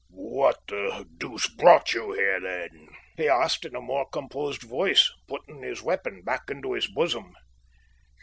"What the deuce brought you here, then?" he asked, in a more composed voice, putting his weapon back into his bosom.